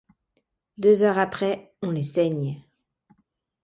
Deux heures après, on les saigne...